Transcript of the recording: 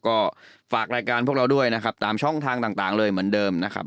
ก็ฝากรายการพวกเราด้วยนะครับตามช่องทางต่างเลยเหมือนเดิมนะครับ